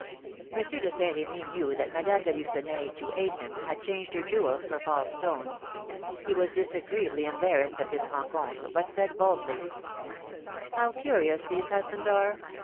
M. de Saint Remy knew that Madame de Lucenay, to aid him, had changed her jewels for false stones. He was disagreeably embarrassed at this rencontre, but said, boldly: "How curious these husbands are!